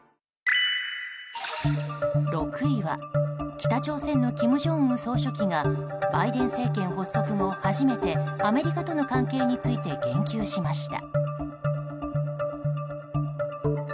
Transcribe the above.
６位は北朝鮮の金正恩総書記がバイデン政権発足後、初めてアメリカとの関係について言及しました。